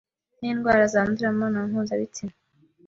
n’indwara zandurira mu mibonano mpuzabitsina.